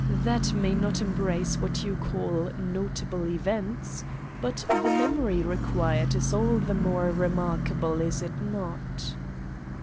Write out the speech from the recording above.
That may not embrace what you call 'notable events,' but the memory required is all the more remarkable, is it not?